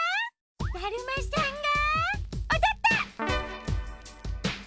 だるまさんがおどった！